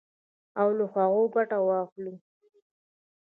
او له هغو ګټه واخلو.